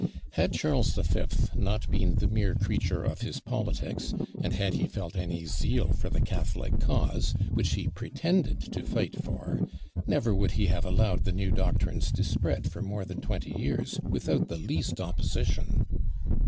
Had Charles V. not been the mere creature of his politics, and had he felt any zeal for the Catholic cause, which he pretended to fight for, never would he have allowed the new doctrines to spread for more than twenty years without the least opposition.